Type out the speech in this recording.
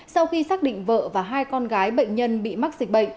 sau khi xác định vợ và hai con gái bệnh nhân bị mắc dịch bệnh